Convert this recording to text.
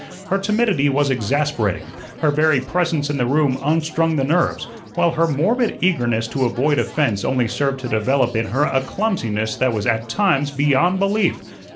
Her timidity was exasperating, her very presence in the room unstrung the nerves, while her morbid eagerness to avoid offence only served to develop in her a clumsiness that was at times beyond belief.